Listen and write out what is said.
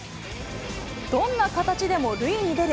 どんな形でも塁に出る。